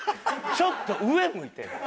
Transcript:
ちょっと上向いてんねん。